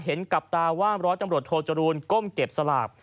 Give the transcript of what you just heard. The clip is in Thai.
เห็นกับตาว่าร้อยตำรวจโทจรูลก้มเก็บสลาก